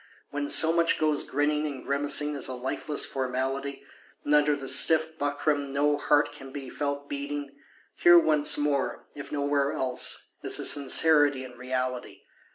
When so much goes grinning and grimacing as a lifeless Formality, and under the stiff buckram no heart can be felt beating, here once more, if nowhere else, is a Sincerity and Reality.